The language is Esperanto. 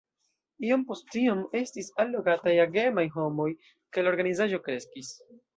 Iom post iom estis allogataj agemaj homoj, kaj la organizaĵo kreskis.